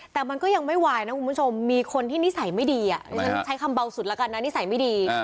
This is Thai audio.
แต่มันก็ยังไม่วายนะคุณผู้ชมมีคนที่นิสัยไม่ดีดิฉันใช้คำเบาสุดแล้วกันนะนิสัยไม่ดี